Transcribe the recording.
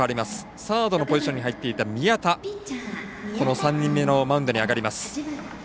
サードのポジションに入っていた宮田３人目のマウンドに上がります。